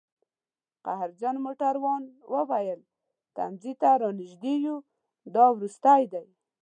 قهرجن موټروان وویل: تمځي ته رانژدي یوو، دا وروستی دی